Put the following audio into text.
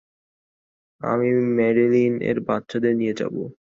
আমি ম্যাডেলিন আর বাচ্চাদের নিয়ে যাবো।